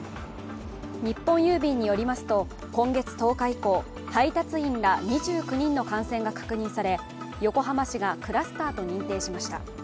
日本郵便によりますと今月１０日以降、配達員ら２９人の感染が確認され横浜市がクラスターと認定しました。